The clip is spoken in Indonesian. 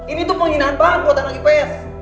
ini tuh penghinaan banget buat anak ips